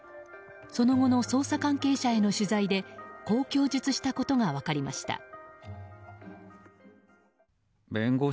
その後の捜査関係者への取材でこう供述したことが分かりました。